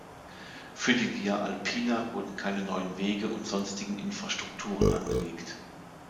Für die Via Alpina wurden keine neuen Wege und sonstigen Infrastrukturen angelegt.